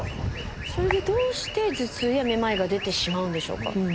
それでどうして頭痛やめまいが出てしまうんでしょうか？